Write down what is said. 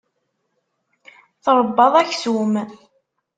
Tṛebbaḍ aksum.